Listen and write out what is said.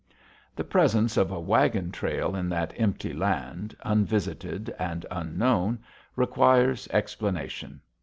The presence of a wagon trail in that empty land, unvisited and unknown, requires explanation.